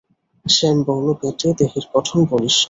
শ্যামবর্ণ, বেঁটে, দেহের গঠন বলিষ্ঠ।